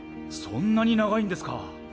そんなに長いんですか。